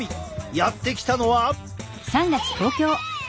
やって来たのは。